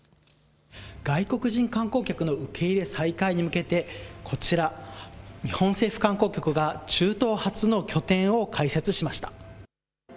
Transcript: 外国人観光客の受け入れ再開に向けてこちら、日本政府観光局が中東初の拠点を開設しました。